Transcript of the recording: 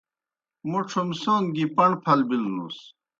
موْ ڇُھمسون گیْ پݨ پھل بِلوْنُس۔